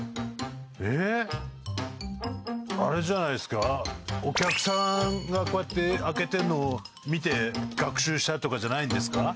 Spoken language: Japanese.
ええっあれじゃないっすかお客さんがこうやって開けてるのを見て学習したとかじゃないんですか？